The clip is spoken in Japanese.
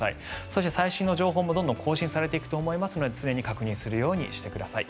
そして、最新の情報もどんどん更新されていきますので常に確認するようにしてください。